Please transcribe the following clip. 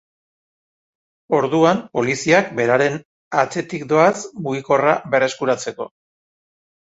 Orduan poliziak beraren atzetik doaz mugikorra berreskuratzeko.